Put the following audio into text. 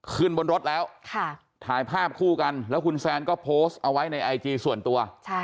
ขึ้นบนรถแล้วถ่ายภาพคู่กันแล้วคุณแซนก็โพสต์เอาไว้ในไอจีส่วนตัว